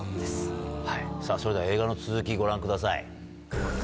それでは映画の続きご覧ください。